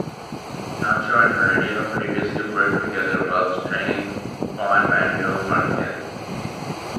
Nacho and Heredia previously worked together whilst training Juan Manuel Marquez.